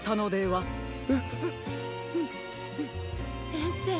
せんせい。